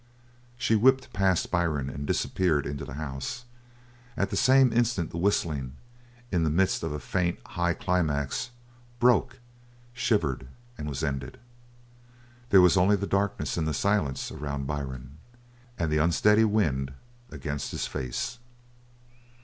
She whipped past Byrne and disappeared into the house; at the same instant the whistling, in the midst of a faint, high climax, broke, shivered, and was ended. There was only the darkness and the silence around Byrne, and the unsteady wind against his face.